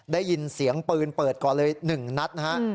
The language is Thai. ได้ยินเสียงปืนเปิดก่อนเลย๑นัดนะฮะ